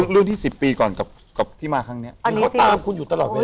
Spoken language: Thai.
รุ่นที่สิบปีก่อนกับกับที่มาครั้งเนี้ยอันนี้สิเขาตามคุณอยู่ตลอดเวลา